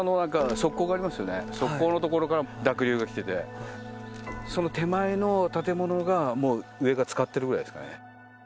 側溝の所から濁流が来てて、その手前の建物が、もう上がつかってるぐらいですかね。